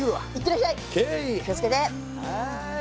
はい。